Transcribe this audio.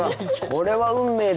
これは運命。